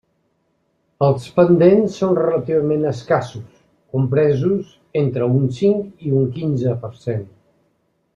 Els pendents són relativament escassos, compresos entre un cinc i un quinze per cent.